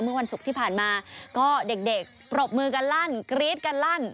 เมื่อวันศุกร์ที่ผ่านมาก็เด็กปรบมือกันลั่นกรี๊ดกันลั่น